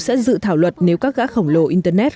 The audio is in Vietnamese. sẽ dự thảo luật nếu các gã khổng lồ internet